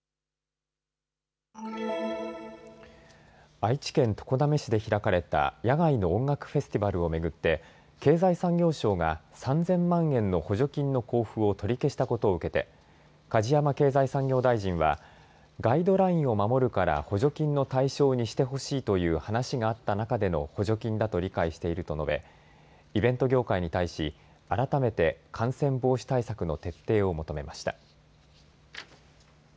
愛知県常滑市で開かれた野外の音楽フェスティバルを巡って経済産業省が３０００万円の補助金の交付を取り消したことを受けて梶山経済産業大臣はガイドラインを守るから補助金の対象にしてほしいという話があった中での補助金だと理解していると述べイベント業界に対し改めて感染防止対策の徹底を求めました。